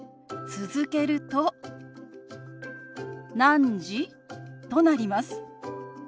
続けると「何時？」となります。